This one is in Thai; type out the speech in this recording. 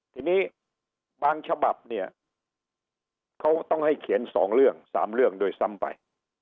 ทีนี้บางฉบับเนี่ยเขาต้องให้เขียน๒เรื่อง๓เรื่องด้วยซ้ำไป